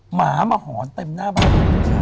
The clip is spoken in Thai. หมามาหอนเต็มหน้าบ้าน